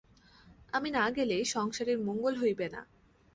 আমি না গেলে সংসারের মঙ্গল হইবে না।